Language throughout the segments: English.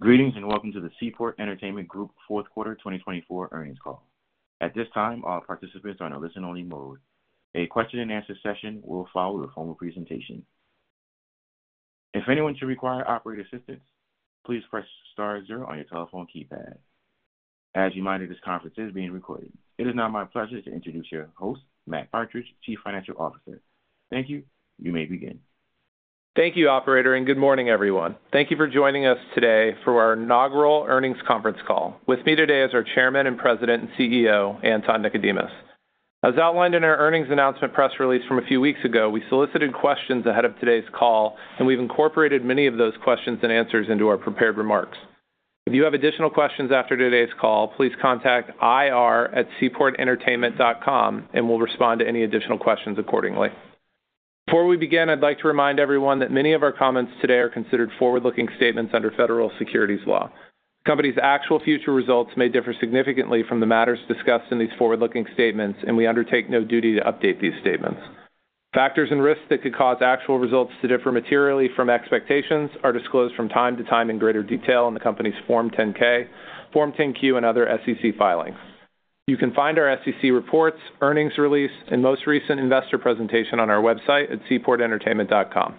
Greetings and welcome to the Seaport Entertainment Group fourth quarter 2024 earnings call. At this time, all participants are in a listen-only mode. A question-and-answer session will follow the formal presentation. If anyone should require operator assistance, please press star zero on your telephone keypad. As you mind, this conference is being recorded. It is now my pleasure to introduce your host, Matt Partridge, Chief Financial Officer. Thank you. You may begin. Thank you, Operator, and good morning, everyone. Thank you for joining us today for our inaugural earnings conference call. With me today is our Chairman and President and CEO, Anton Nikodemus. As outlined in our earnings announcement press release from a few weeks ago, we solicited questions ahead of today's call, and we've incorporated many of those questions and answers into our prepared remarks. If you have additional questions after today's call, please contact ir@seaportentertainment.com, and we'll respond to any additional questions accordingly. Before we begin, I'd like to remind everyone that many of our comments today are considered forward-looking statements under federal securities law. The company's actual future results may differ significantly from the matters discussed in these forward-looking statements, and we undertake no duty to update these statements. Factors and risks that could cause actual results to differ materially from expectations are disclosed from time to time in greater detail in the company's Form 10-K, Form 10-Q, and other SEC filings. You can find our SEC reports, earnings release, and most recent investor presentation on our website at seaportentertainment.com.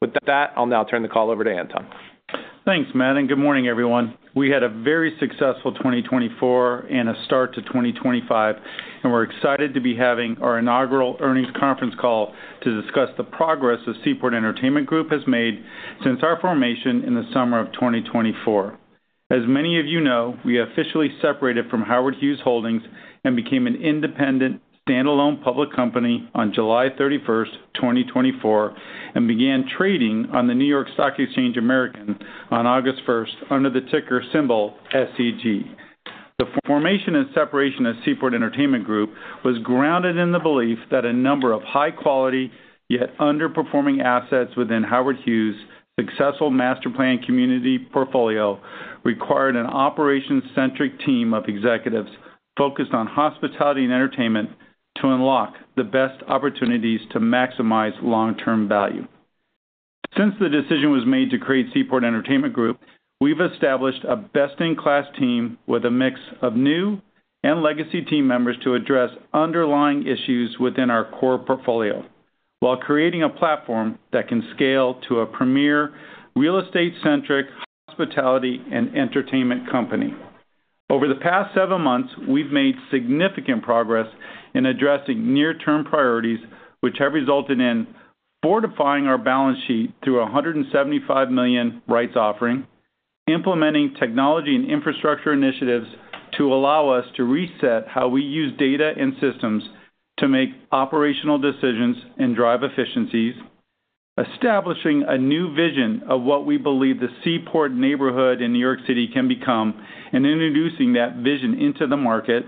With that, I'll now turn the call over to Anton. Thanks, Matt, and good morning, everyone. We had a very successful 2024 and a start to 2025, and we're excited to be having our inaugural earnings conference call to discuss the progress the Seaport Entertainment Group has made since our formation in the summer of 2024. As many of you know, we officially separated from Howard Hughes Holdings and became an independent, standalone public company on July 31, 2024, and began trading on the New York Stock Exchange American on August 1 under the ticker symbol SEG. The formation and separation of Seaport Entertainment Group was grounded in the belief that a number of high-quality yet underperforming assets within Howard Hughes' successful master plan community portfolio required an operations-centric team of executives focused on hospitality and entertainment to unlock the best opportunities to maximize long-term value. Since the decision was made to create Seaport Entertainment Group, we've established a best-in-class team with a mix of new and legacy team members to address underlying issues within our core portfolio while creating a platform that can scale to a premier real estate-centric hospitality and entertainment company. Over the past seven months, we've made significant progress in addressing near-term priorities, which have resulted in fortifying our balance sheet through a $175 million rights offering, implementing technology and infrastructure initiatives to allow us to reset how we use data and systems to make operational decisions and drive efficiencies, establishing a new vision of what we believe the Seaport neighborhood in New York City can become, and introducing that vision into the market,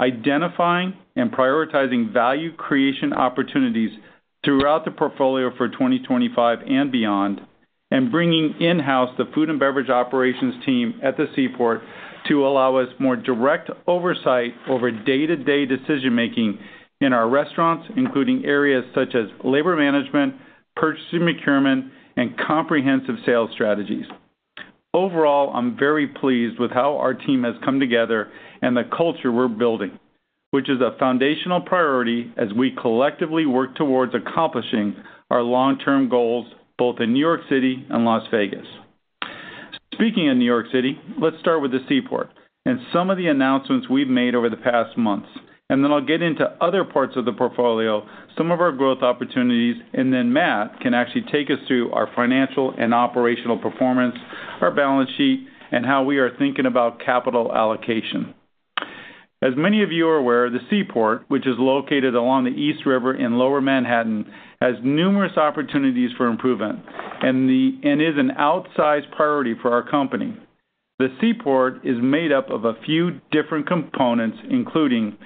identifying and prioritizing value creation opportunities throughout the portfolio for 2025 and beyond, and bringing in-house the food and beverage operations team at the Seaport to allow us more direct oversight over day-to-day decision-making in our restaurants, including areas such as labor management, purchasing procurement, and comprehensive sales strategies. Overall, I'm very pleased with how our team has come together and the culture we're building, which is a foundational priority as we collectively work towards accomplishing our long-term goals both in New York City and Las Vegas. Speaking of New York City, let's start with the Seaport and some of the announcements we've made over the past months, and then I'll get into other parts of the portfolio, some of our growth opportunities, and then Matt can actually take us through our financial and operational performance, our balance sheet, and how we are thinking about capital allocation. As many of you are aware, the Seaport, which is located along the East River in Lower Manhattan, has numerous opportunities for improvement and is an outsized priority for our company. The Seaport is made up of a few different components, including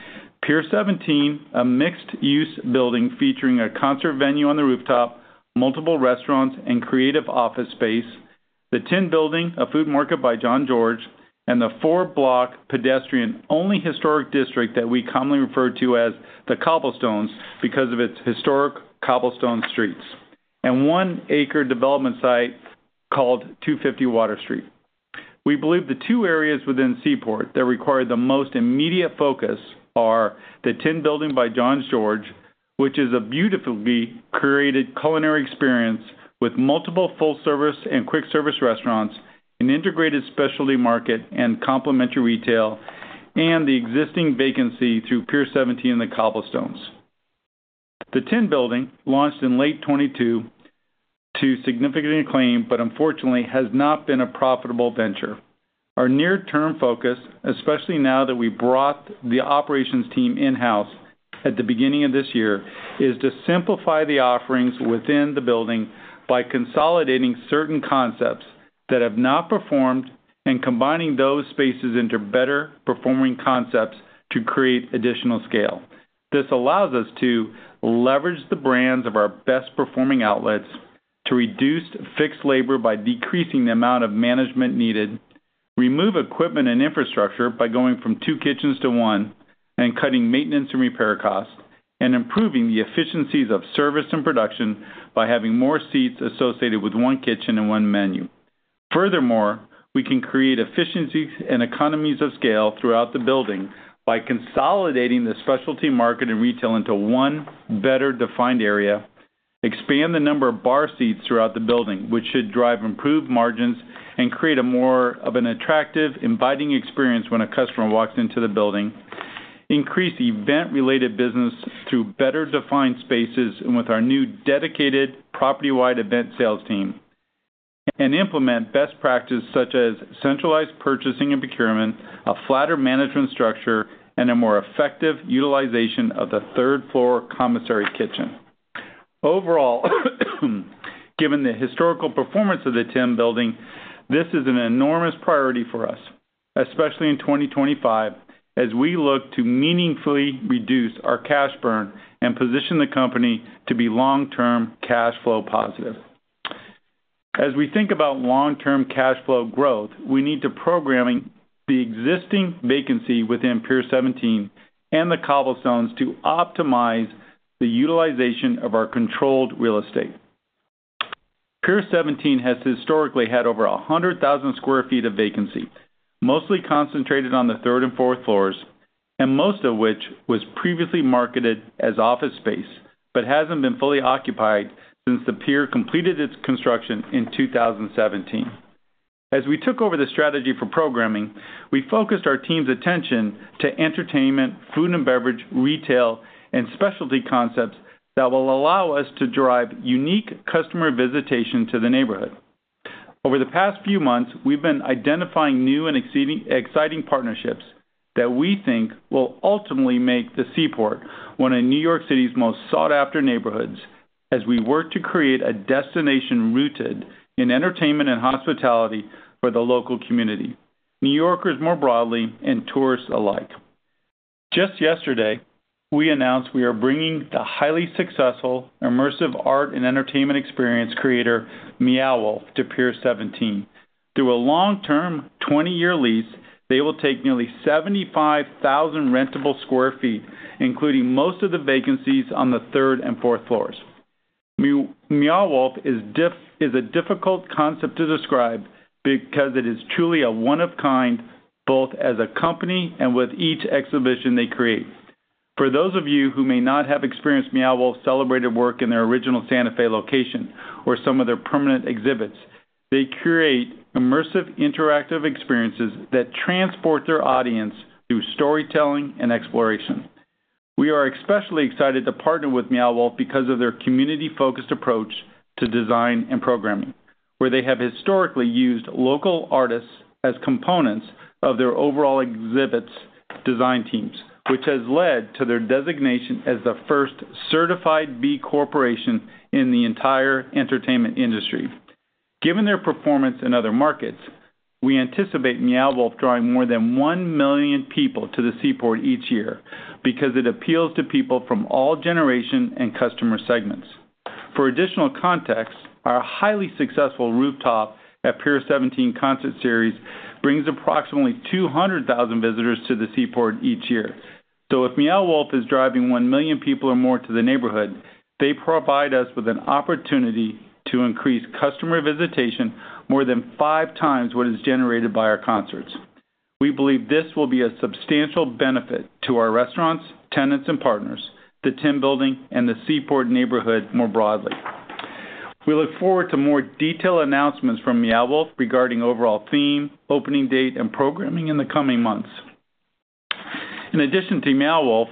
Pier 17, a mixed-use building featuring a concert venue on the rooftop, multiple restaurants, and creative office space. The Tin Building, a food market by Jean-Georges, and the four-block pedestrian-only historic district that we commonly refer to as the Cobblestones because of its historic cobblestone streets, and one-acre development site called 250 Water Street. We believe the two areas within Seaport that require the most immediate focus are the Tin Building by Jean-Georges, which is a beautifully curated culinary experience with multiple full-service and quick-service restaurants, an integrated specialty market and complimentary retail, and the existing vacancy through Pier 17 and the Cobblestones. The Tin Building, launched in late 2022 to significant acclaim, but unfortunately has not been a profitable venture. Our near-term focus, especially now that we brought the operations team in-house at the beginning of this year, is to simplify the offerings within the building by consolidating certain concepts that have not performed and combining those spaces into better-performing concepts to create additional scale. This allows us to leverage the brands of our best-performing outlets to reduce fixed labor by decreasing the amount of management needed, remove equipment and infrastructure by going from two kitchens to one and cutting maintenance and repair costs, and improving the efficiencies of service and production by having more seats associated with one kitchen and one menu. Furthermore, we can create efficiencies and economies of scale throughout the building by consolidating the specialty market and retail into one better-defined area, expand the number of bar seats throughout the building, which should drive improved margins and create more of an attractive, inviting experience when a customer walks into the building, increase event-related business through better-defined spaces with our new dedicated property-wide event sales team, and implement best practices such as centralized purchasing and procurement, a flatter management structure, and a more effective utilization of the third-floor commissary kitchen. Overall, given the historical performance of the Tin Building, this is an enormous priority for us, especially in 2025, as we look to meaningfully reduce our cash burn and position the company to be long-term cash flow positive. As we think about long-term cash flow growth, we need to program the existing vacancy within Pier 17 and the Cobblestones to optimize the utilization of our controlled real estate. Pier 17 has historically had over 100,000 sq ft of vacancy, mostly concentrated on the third and fourth floors, and most of which was previously marketed as office space but has not been fully occupied since the pier completed its construction in 2017. As we took over the strategy for programming, we focused our team's attention to entertainment, food and beverage, retail, and specialty concepts that will allow us to drive unique customer visitation to the neighborhood. Over the past few months, we've been identifying new and exciting partnerships that we think will ultimately make the Seaport one of New York City's most sought-after neighborhoods as we work to create a destination rooted in entertainment and hospitality for the local community, New Yorkers more broadly, and tourists alike. Just yesterday, we announced we are bringing the highly successful immersive art and entertainment experience creator, Meow Wolf, to Pier 17. Through a long-term 20-year lease, they will take nearly 75,000 rentable sq ft, including most of the vacancies on the third and fourth floors. Meow Wolf is a difficult concept to describe because it is truly a one-of-a-kind, both as a company and with each exhibition they create. For those of you who may not have experienced Meow Wolf's celebrated work in their original Santa Fe location or some of their permanent exhibits, they create immersive interactive experiences that transport their audience through storytelling and exploration. We are especially excited to partner with Meow Wolf because of their community-focused approach to design and programming, where they have historically used local artists as components of their overall exhibits design teams, which has led to their designation as the first certified B Corporation in the entire entertainment industry. Given their performance in other markets, we anticipate Meow Wolf drawing more than 1 million people to the Seaport each year because it appeals to people from all generations and customer segments. For additional context, our highly successful rooftop at Pier 17 concert series brings approximately 200,000 visitors to the Seaport each year. If Meow Wolf is driving 1 million people or more to the neighborhood, they provide us with an opportunity to increase customer visitation more than five times what is generated by our concerts. We believe this will be a substantial benefit to our restaurants, tenants, and partners, the Tin Building, and the Seaport neighborhood more broadly. We look forward to more detailed announcements from Meow Wolf regarding overall theme, opening date, and programming in the coming months. In addition to Meow Wolf,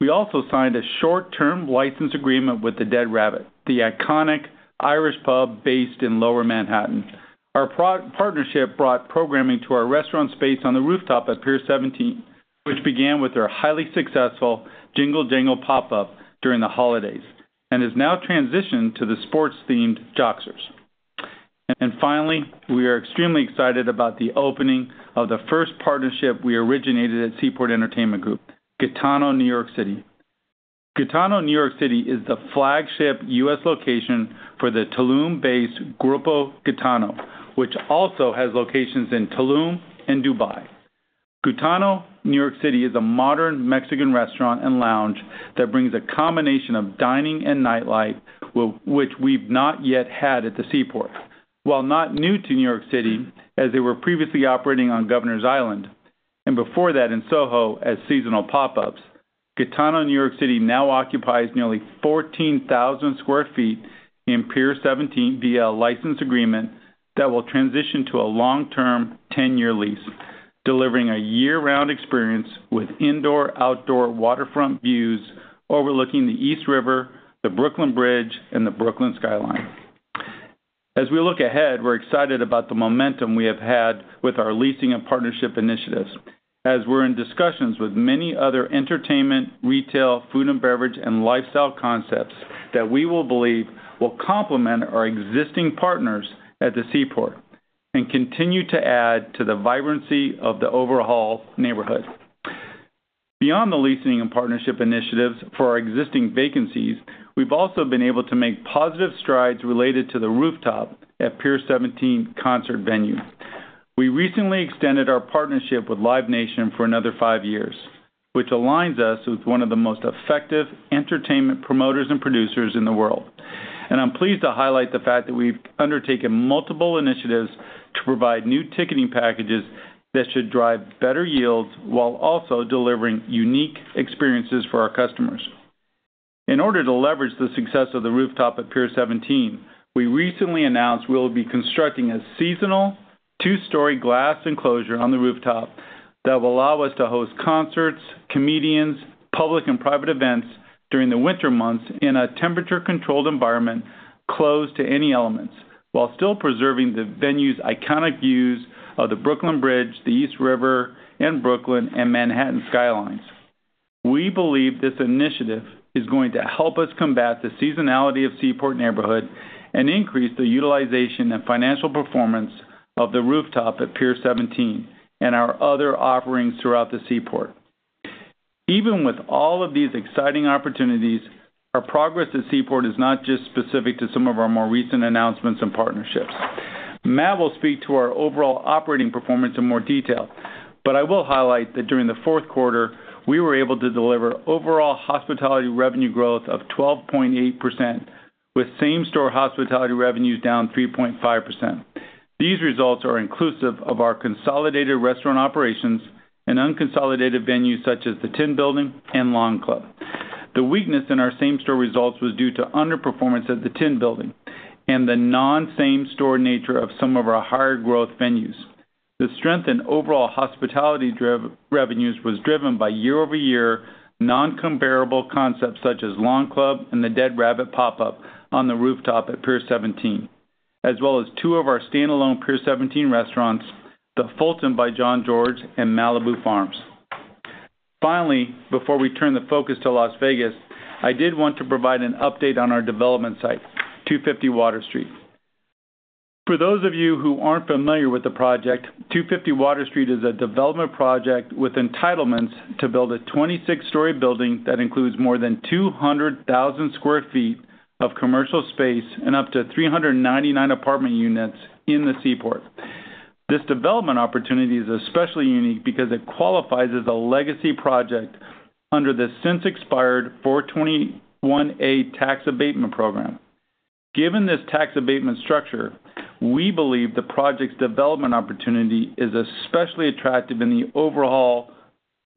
we also signed a short-term license agreement with the Dead Rabbit, the iconic Irish pub based in Lower Manhattan. Our partnership brought programming to our restaurant space on the rooftop at Pier 17, which began with their highly successful Jingle Jangle pop-up during the holidays and has now transitioned to the sports-themed Joxer's. Finally, we are extremely excited about the opening of the first partnership we originated at Seaport Entertainment Group, Gitano New York City. Gitano New York City is the flagship U.S. location for the Tulum-based Grupo Gitano, which also has locations in Tulum and Dubai. Gitano New York City is a modern Mexican restaurant and lounge that brings a combination of dining and nightlife, which we've not yet had at the Seaport. While not new to New York City, as they were previously operating on Governor's Island and before that in Soho as seasonal pop-ups, Gitano New York City now occupies nearly 14,000 sq ft in Pier 17 via a license agreement that will transition to a long-term 10-year lease, delivering a year-round experience with indoor-outdoor waterfront views overlooking the East River, the Brooklyn Bridge, and the Brooklyn skyline. As we look ahead, we're excited about the momentum we have had with our leasing and partnership initiatives, as we're in discussions with many other entertainment, retail, food and beverage, and lifestyle concepts that we believe will complement our existing partners at the Seaport and continue to add to the vibrancy of the overall neighborhood. Beyond the leasing and partnership initiatives for our existing vacancies, we've also been able to make positive strides related to The Rooftop at Pier 17 concert venue. We recently extended our partnership with Live Nation for another five years, which aligns us with one of the most effective entertainment promoters and producers in the world. I'm pleased to highlight the fact that we've undertaken multiple initiatives to provide new ticketing packages that should drive better yields while also delivering unique experiences for our customers. In order to leverage the success of The Rooftop at Pier 17, we recently announced we will be constructing a seasonal two-story glass enclosure on the rooftop that will allow us to host concerts, comedians, public and private events during the winter months in a temperature-controlled environment closed to any elements while still preserving the venue's iconic views of the Brooklyn Bridge, the East River, and Brooklyn and Manhattan skylines. We believe this initiative is going to help us combat the seasonality of Seaport neighborhood and increase the utilization and financial performance of The Rooftop at Pier 17 and our other offerings throughout the Seaport. Even with all of these exciting opportunities, our progress at Seaport is not just specific to some of our more recent announcements and partnerships. Matt will speak to our overall operating performance in more detail, but I will highlight that during the fourth quarter, we were able to deliver overall hospitality revenue growth of 12.8%, with same-store hospitality revenues down 3.5%. These results are inclusive of our consolidated restaurant operations and unconsolidated venues such as the Tin Building and Long Club. The weakness in our same-store results was due to underperformance at the Tin Building and the non-same-store nature of some of our higher-growth venues. The strength in overall hospitality revenues was driven by year-over-year non-comparable concepts such as Long Club and the Dead Rabbit pop-up on The Rooftop at Pier 17, as well as two of our standalone Pier 17 restaurants, The Fulton by Jean-Georges and Malibu Farms. Finally, before we turn the focus to Las Vegas, I did want to provide an update on our development site, 250 Water Street. For those of you who aren't familiar with the project, 250 Water Street is a development project with entitlements to build a 26-story building that includes more than 200,000 sq ft of commercial space and up to 399 apartment units in the Seaport. This development opportunity is especially unique because it qualifies as a legacy project under the since-expired 421-a tax abatement program. Given this tax abatement structure, we believe the project's development opportunity is especially attractive in the overall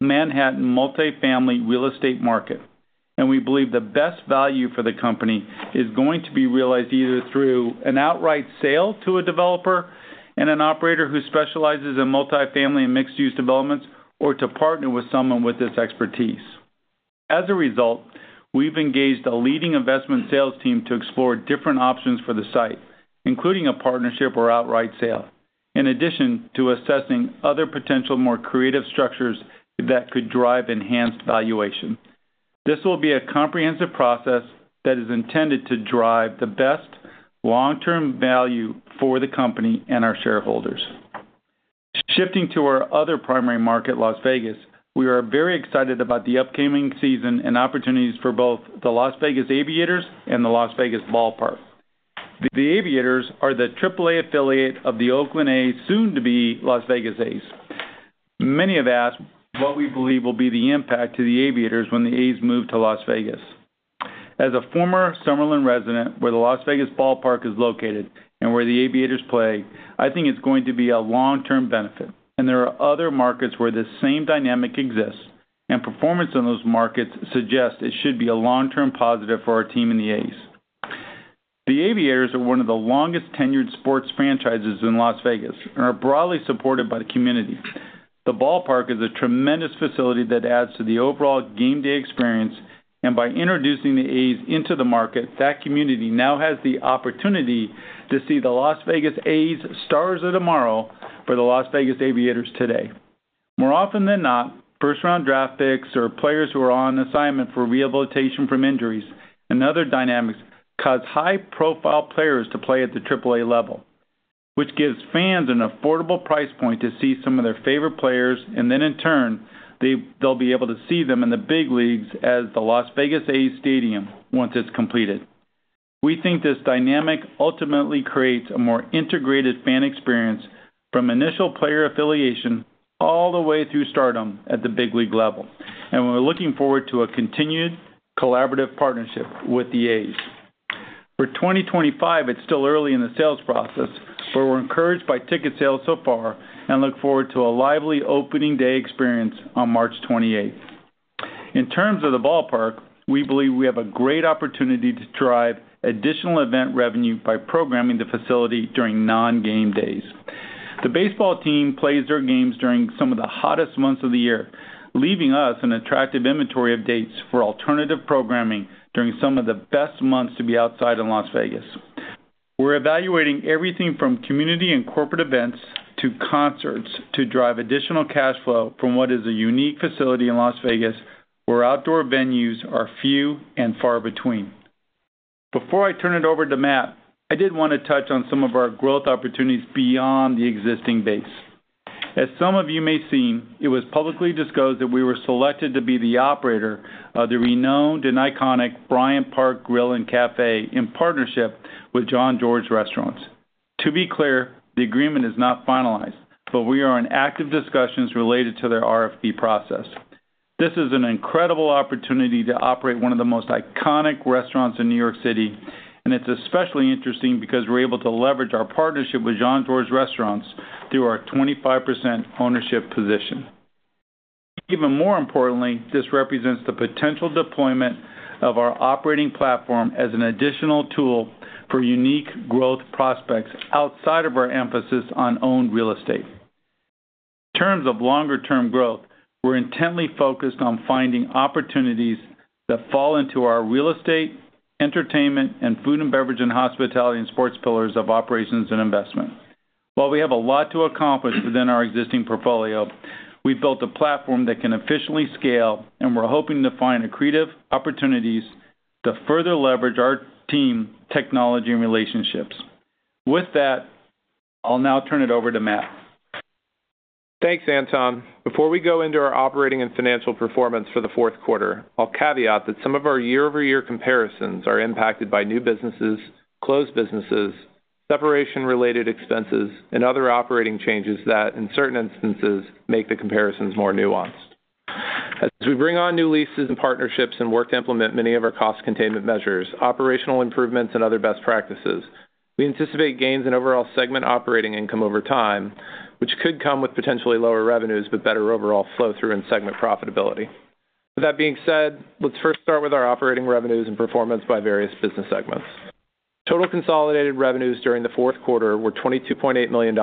Manhattan multifamily real estate market, and we believe the best value for the company is going to be realized either through an outright sale to a developer and an operator who specializes in multifamily and mixed-use developments or to partner with someone with this expertise. As a result, we've engaged a leading investment sales team to explore different options for the site, including a partnership or outright sale, in addition to assessing other potential more creative structures that could drive enhanced valuation. This will be a comprehensive process that is intended to drive the best long-term value for the company and our shareholders. Shifting to our other primary market, Las Vegas, we are very excited about the upcoming season and opportunities for both the Las Vegas Aviators and the Las Vegas Ballpark. The Aviators are the AAA affiliate of the Oakland A's soon-to-be Las Vegas A's. Many have asked what we believe will be the impact to the Aviators when the A's move to Las Vegas. As a former Summerlin resident where the Las Vegas Ballpark is located and where the Aviators play, I think it's going to be a long-term benefit, and there are other markets where this same dynamic exists, and performance in those markets suggests it should be a long-term positive for our team and the A's. The Aviators are one of the longest-tenured sports franchises in Las Vegas and are broadly supported by the community. The Ballpark is a tremendous facility that adds to the overall game-day experience, and by introducing the A's into the market, that community now has the opportunity to see the Las Vegas A's stars of tomorrow for the Las Vegas Aviators today. More often than not, first-round draft picks or players who are on assignment for rehabilitation from injuries and other dynamics cause high-profile players to play at the AAA level, which gives fans an affordable price point to see some of their favorite players, and then in turn, they'll be able to see them in the big leagues at the Las Vegas A's Stadium once it's completed. We think this dynamic ultimately creates a more integrated fan experience from initial player affiliation all the way through stardom at the big league level, and we're looking forward to a continued collaborative partnership with the A's. For 2025, it's still early in the sales process, but we're encouraged by ticket sales so far and look forward to a lively opening day experience on March 28th. In terms of the Ballpark, we believe we have a great opportunity to drive additional event revenue by programming the facility during non-game days. The baseball team plays their games during some of the hottest months of the year, leaving us an attractive inventory of dates for alternative programming during some of the best months to be outside in Las Vegas. We're evaluating everything from community and corporate events to concerts to drive additional cash flow from what is a unique facility in Las Vegas where outdoor venues are few and far between. Before I turn it over to Matt, I did want to touch on some of our growth opportunities beyond the existing base. As some of you may have seen, it was publicly disclosed that we were selected to be the operator of the renowned and iconic Bryant Park Grill and Cafe in partnership with Jean-Georges Restaurants. To be clear, the agreement is not finalized, but we are in active discussions related to their RFP process. This is an incredible opportunity to operate one of the most iconic restaurants in New York City, and it's especially interesting because we're able to leverage our partnership with Jean-Georges Restaurants through our 25% ownership position. Even more importantly, this represents the potential deployment of our operating platform as an additional tool for unique growth prospects outside of our emphasis on owned real estate. In terms of longer-term growth, we're intently focused on finding opportunities that fall into our real estate, entertainment, and food and beverage and hospitality and sports pillars of operations and investment. While we have a lot to accomplish within our existing portfolio, we've built a platform that can efficiently scale, and we're hoping to find accretive opportunities to further leverage our team, technology, and relationships. With that, I'll now turn it over to Matt. Thanks, Anton. Before we go into our operating and financial performance for the fourth quarter, I'll caveat that some of our year-over-year comparisons are impacted by new businesses, closed businesses, separation-related expenses, and other operating changes that, in certain instances, make the comparisons more nuanced. As we bring on new leases and partnerships and work to implement many of our cost containment measures, operational improvements, and other best practices, we anticipate gains in overall segment operating income over time, which could come with potentially lower revenues but better overall flow-through and segment profitability. With that being said, let's first start with our operating revenues and performance by various business segments. Total consolidated revenues during the fourth quarter were $22.8 million,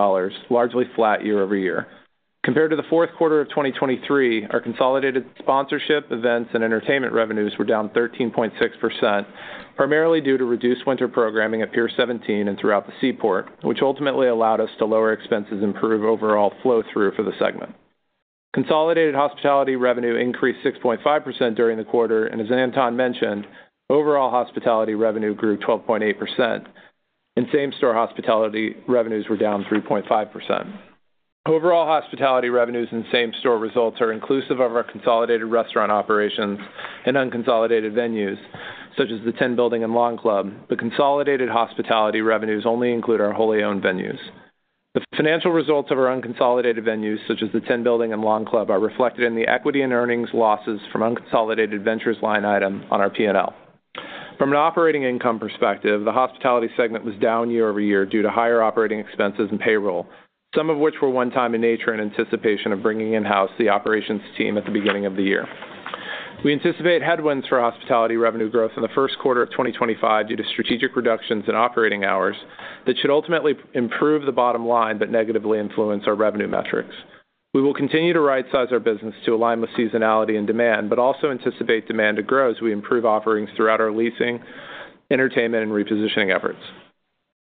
largely flat year-over-year. Compared to the fourth quarter of 2023, our consolidated sponsorship, events, and entertainment revenues were down 13.6%, primarily due to reduced winter programming at Pier 17 and throughout the Seaport, which ultimately allowed us to lower expenses and improve overall flow-through for the segment. Consolidated hospitality revenue increased 6.5% during the quarter, and as Anton mentioned, overall hospitality revenue grew 12.8%, and same-store hospitality revenues were down 3.5%. Overall hospitality revenues and same-store results are inclusive of our consolidated restaurant operations and unconsolidated venues such as the Tin Building and Long Club, but consolidated hospitality revenues only include our wholly owned venues. The financial results of our unconsolidated venues such as the Tin Building and Long Club are reflected in the equity earnings losses from unconsolidated ventures line item on our P&L. From an operating income perspective, the hospitality segment was down year-over-year due to higher operating expenses and payroll, some of which were one-time in nature in anticipation of bringing in-house the operations team at the beginning of the year. We anticipate headwinds for hospitality revenue growth in the first quarter of 2025 due to strategic reductions in operating hours that should ultimately improve the bottom line but negatively influence our revenue metrics. We will continue to right-size our business to align with seasonality and demand, but also anticipate demand to grow as we improve offerings throughout our leasing, entertainment, and repositioning efforts.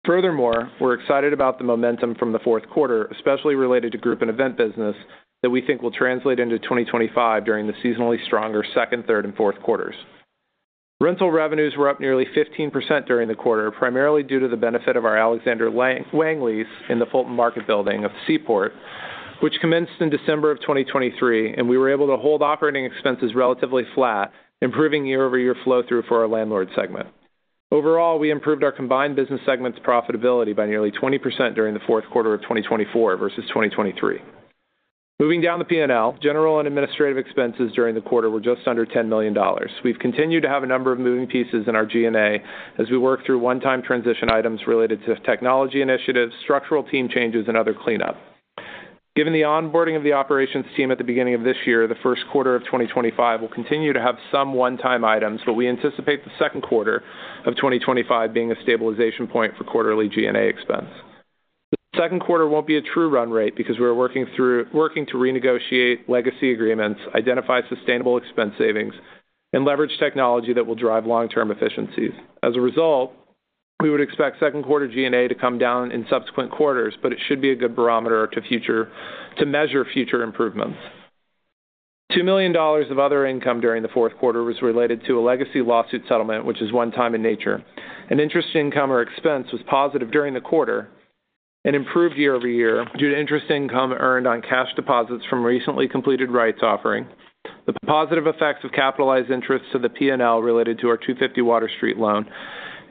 Furthermore, we're excited about the momentum from the fourth quarter, especially related to group and event business, that we think will translate into 2025 during the seasonally stronger second, third, and fourth quarters. Rental revenues were up nearly 15% during the quarter, primarily due to the benefit of our Alexander Wang lease in the Fulton Market Building of Seaport, which commenced in December of 2023, and we were able to hold operating expenses relatively flat, improving year-over-year flow-through for our landlord segment. Overall, we improved our combined business segment's profitability by nearly 20% during the fourth quarter of 2024 versus 2023. Moving down the P&L, general and administrative expenses during the quarter were just under $10 million. We've continued to have a number of moving pieces in our G&A as we work through one-time transition items related to technology initiatives, structural team changes, and other cleanup. Given the onboarding of the operations team at the beginning of this year, the first quarter of 2025 will continue to have some one-time items, but we anticipate the second quarter of 2025 being a stabilization point for quarterly G&A expense. The second quarter will not be a true run rate because we are working to renegotiate legacy agreements, identify sustainable expense savings, and leverage technology that will drive long-term efficiencies. As a result, we would expect second-quarter G&A to come down in subsequent quarters, but it should be a good barometer to measure future improvements. $2 million of other income during the fourth quarter was related to a legacy lawsuit settlement, which is one-time in nature. Interest income or expense was positive during the quarter and improved year-over-year due to interest income earned on cash deposits from recently completed rights offering, the positive effects of capitalized interest to the P&L related to our 250 Water Street loan,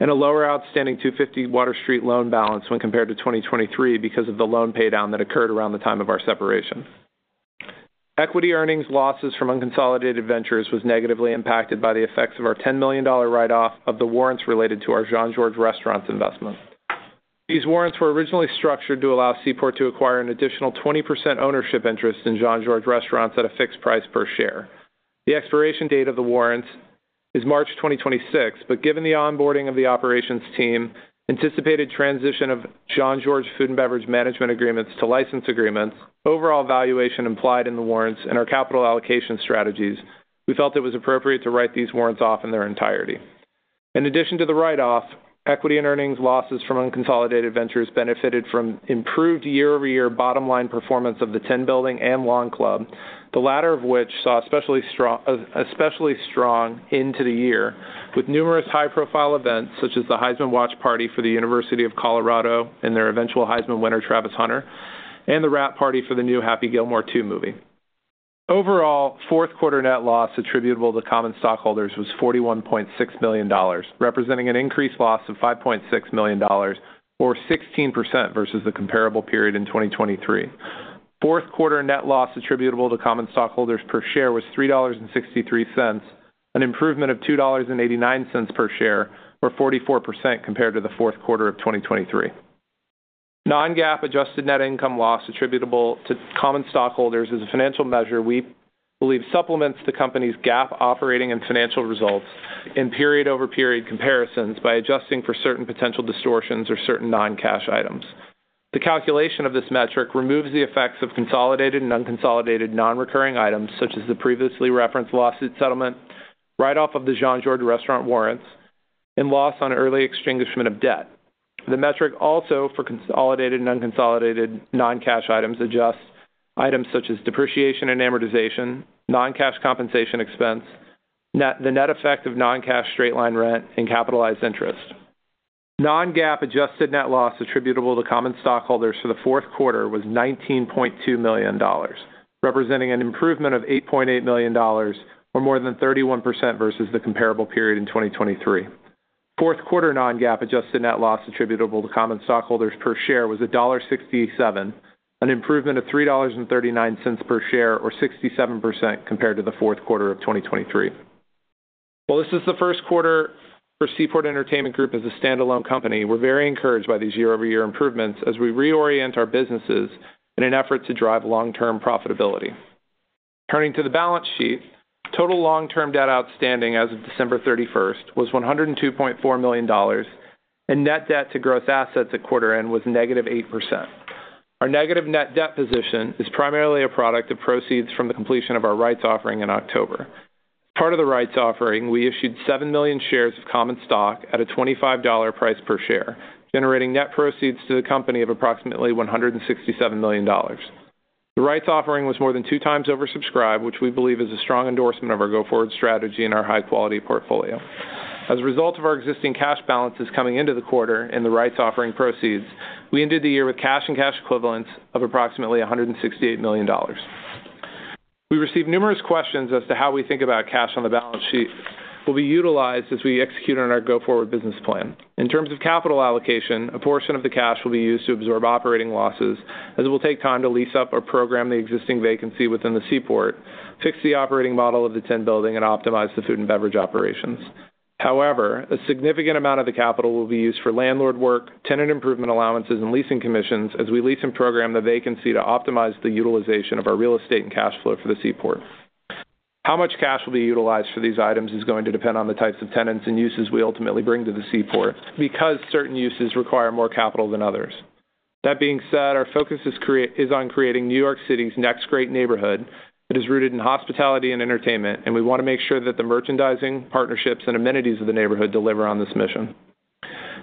and a lower outstanding 250 Water Street loan balance when compared to 2023 because of the loan paydown that occurred around the time of our separation. Equity earnings losses from unconsolidated ventures were negatively impacted by the effects of our $10 million write-off of the warrants related to our Jean-Georges Restaurants investment. These warrants were originally structured to allow Seaport to acquire an additional 20% ownership interest in jean-Georges Restaurants at a fixed price per share. The expiration date of the warrants is March 2026, but given the onboarding of the operations team, anticipated transition of Jean-Georges Food and Beverage Management agreements to license agreements, overall valuation implied in the warrants, and our capital allocation strategies, we felt it was appropriate to write these warrants off in their entirety. In addition to the write-off, equity and earnings losses from unconsolidated ventures benefited from improved year-over-year bottom-line performance of the Tin Building and Long Club, the latter of which saw especially strong into the year with numerous high-profile events such as the Heisman Watch Party for the University of Colorado and their eventual Heisman winner, Travis Hunter, and the wrap party for the new Happy Gilmore 2 movie. Overall, fourth quarter net loss attributable to common stockholders was $41.6 million, representing an increased loss of $5.6 million or 16% versus the comparable period in 2023. Fourth quarter net loss attributable to common stockholders per share was $3.63, an improvement of $2.89 per share or 44% compared to the fourth quarter of 2023. Non-GAAP adjusted net income loss attributable to common stockholders is a financial measure we believe supplements the company's GAAP operating and financial results in period-over-period comparisons by adjusting for certain potential distortions or certain non-cash items. The calculation of this metric removes the effects of consolidated and unconsolidated non-recurring items such as the previously referenced lawsuit settlement, write-off of the Jean-Georges Restaurants warrants, and loss on early extinguishment of debt. The metric also for consolidated and unconsolidated non-cash items adjusts items such as depreciation and amortization, non-cash compensation expense, the net effect of non-cash straight-line rent, and capitalized interest. Non-GAAP adjusted net loss attributable to common stockholders for the fourth quarter was $19.2 million, representing an improvement of $8.8 million or more than 31% versus the comparable period in 2023. Fourth quarter non-GAAP adjusted net loss attributable to common stockholders per share was $1.67, an improvement of $3.39 per share or 67% compared to the fourth quarter of 2023. While this is the first quarter for Seaport Entertainment Group as a standalone company, we're very encouraged by these year-over-year improvements as we reorient our businesses in an effort to drive long-term profitability. Turning to the balance sheet, total long-term debt outstanding as of December 31 was $102.4 million, and net debt to gross assets at quarter-end was negative 8%. Our negative net debt position is primarily a product of proceeds from the completion of our rights offering in October. As part of the rights offering, we issued 7 million shares of common stock at a $25 price per share, generating net proceeds to the company of approximately $167 million. The rights offering was more than two times oversubscribed, which we believe is a strong endorsement of our go-forward strategy and our high-quality portfolio. As a result of our existing cash balances coming into the quarter and the rights offering proceeds, we ended the year with cash and cash equivalents of approximately $168 million. We received numerous questions as to how we think about cash on the balance sheet will be utilized as we execute on our go-forward business plan. In terms of capital allocation, a portion of the cash will be used to absorb operating losses, as it will take time to lease up or program the existing vacancy within the Seaport, fix the operating model of the Tin Building, and optimize the food and beverage operations. However, a significant amount of the capital will be used for landlord work, tenant improvement allowances, and leasing commissions as we lease and program the vacancy to optimize the utilization of our real estate and cash flow for the Seaport. How much cash will be utilized for these items is going to depend on the types of tenants and uses we ultimately bring to the Seaport because certain uses require more capital than others. That being said, our focus is on creating New York City's next great neighborhood that is rooted in hospitality and entertainment, and we want to make sure that the merchandising, partnerships, and amenities of the neighborhood deliver on this mission.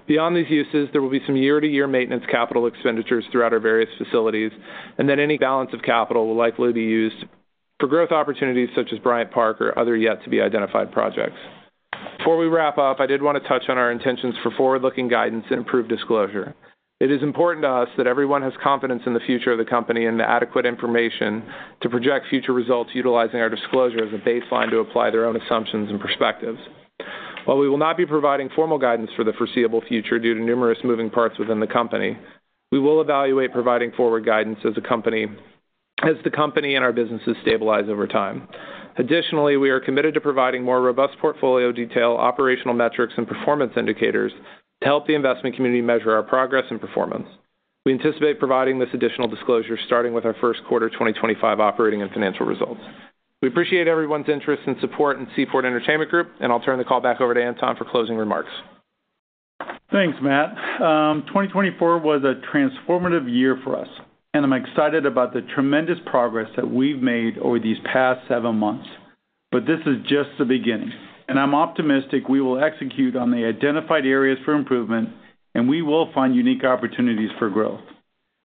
Beyond these uses, there will be some year-to-year maintenance capital expenditures throughout our various facilities, and then any balance of capital will likely be used for growth opportunities such as Bryant Park or other yet-to-be-identified projects. Before we wrap up, I did want to touch on our intentions for forward-looking guidance and improved disclosure. It is important to us that everyone has confidence in the future of the company and the adequate information to project future results utilizing our disclosure as a baseline to apply their own assumptions and perspectives. While we will not be providing formal guidance for the foreseeable future due to numerous moving parts within the company, we will evaluate providing forward guidance as the company and our businesses stabilize over time. Additionally, we are committed to providing more robust portfolio detail, operational metrics, and performance indicators to help the investment community measure our progress and performance. We anticipate providing this additional disclosure starting with our first quarter 2025 operating and financial results. We appreciate everyone's interest and support in Seaport Entertainment Group, and I'll turn the call back over to Anton for closing remarks. Thanks, Matt. 2024 was a transformative year for us, and I'm excited about the tremendous progress that we've made over these past seven months. This is just the beginning, and I'm optimistic we will execute on the identified areas for improvement, and we will find unique opportunities for growth.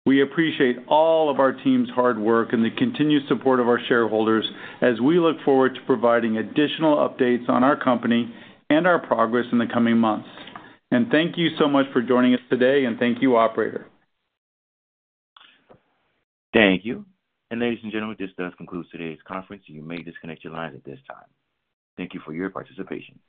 We appreciate all of our team's hard work and the continued support of our shareholders as we look forward to providing additional updates on our company and our progress in the coming months. Thank you so much for joining us today, and thank you, operator. Thank you. Ladies and gentlemen, this does conclude today's conference, and you may disconnect your lines at this time. Thank you for your participation.